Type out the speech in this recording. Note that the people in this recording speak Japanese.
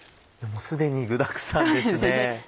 もうすでに具だくさんですね。